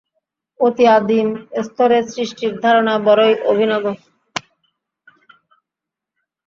অতি আদিম স্তরে সৃষ্টির ধারণা বড়ই অভিনব।